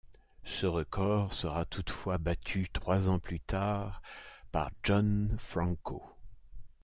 Ce record sera toutefois battu trois ans plus tard par John Franco.